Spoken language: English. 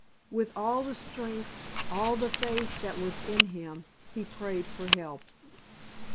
With all the strength, all the faith that was in him he prayed for help.